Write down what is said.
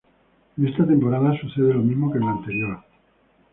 En esta temporada sucede lo mismo que en la anterior.